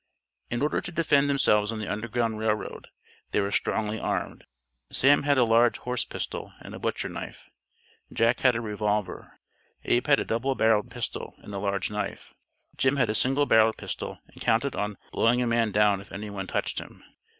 In order to defend themselves on the Underground Rail Road, they were strongly armed. Sam had a large horse pistol and a butcher knife; Jack had a revolver; Abe had a double barrelled pistol and a large knife; Jim had a single barrelled pistol and counted on "blowing a man down if any one touched" him.